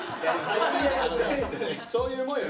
そういうもんよ。